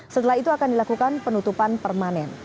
setelah itu akan dilakukan penutupan permanen